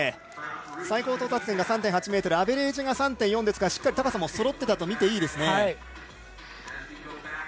最高到達点が３．８ｍアベレージが３．４ですからしっかり高さもそろっていたとみていいですね。